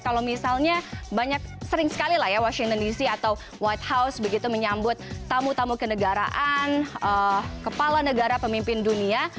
kalau misalnya banyak sering sekali lah ya washington dc atau white house begitu menyambut tamu tamu kenegaraan kepala negara pemimpin dunia